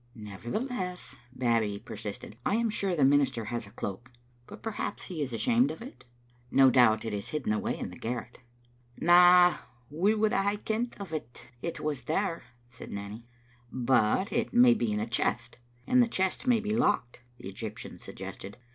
"Nevertheless," Babbie persisted, "I am sure the minister has a cloak ; but perhaps he is ashamed of it. No doubt it is hidden away in the garret." " Na, we would hae kent o't if it was there," said Nanny. "But it may be in a chest, and the chest may be locked," the Egyptian suggested.